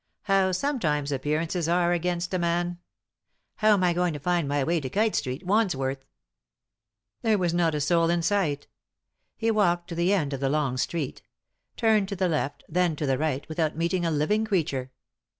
How, sometimes, appearances are against a man. How am I going to find my way to Kite Street, Wandsworth ?" There was not a soul in sight. He walked to the end of the long street; turned to the left, then to the right, without meeting a living creature.